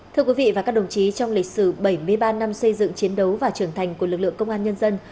thưa quý vị và các đồng chí trong lịch sử bảy mươi ba năm xây dựng chiến đấu và trưởng thành của lực lượng công an nhân dân